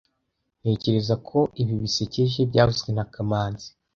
Ntekereza ko ibi bisekeje byavuzwe na kamanzi